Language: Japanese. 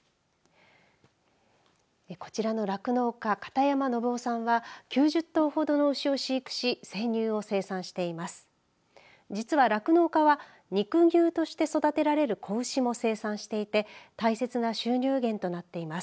こちらの酪農家片山伸雄さんは９０頭ほどの牛を飼育し生乳を生産しています。